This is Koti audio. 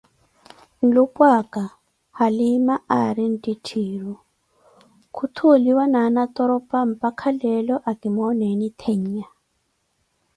Nlupwaaka, Halima, aari ntittiiru, kutthuuliwa ti anatoropa, mpaka leelo akimooneeni theenya.